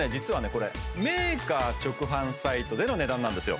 これメーカー直販サイトでの値段なんですよ